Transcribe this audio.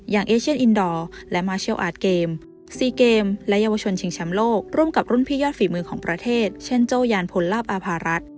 เอเชียนอินดอร์และมาเชียลอาร์ตเกม๔เกมและเยาวชนชิงแชมป์โลกร่วมกับรุ่นพี่ยอดฝีมือของประเทศเช่นโจ้ยานพลลาบอาภารัฐ